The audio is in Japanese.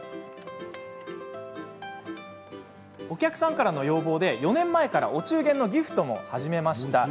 お客さんからの要望で４年前からお中元のギフトも始めました。